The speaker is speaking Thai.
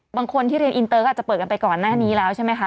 บางคนที่เรียนอินเตอร์ก็อาจจะเปิดกันไปก่อนหน้านี้แล้วใช่ไหมคะ